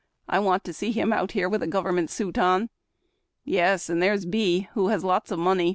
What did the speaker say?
..." I want to see him out here with a government suit on." ..." Yes, and there's B , who has lots of money.